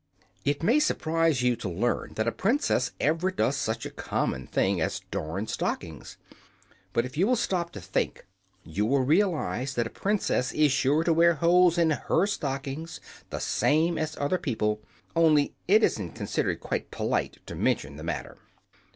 (It may surprise you to learn that a princess ever does such a common thing as darn stockings. But, if you will stop to think, you will realize that a princess is sure to wear holes in her stockings, the same as other people; only it isn't considered quite polite to mention the matter.)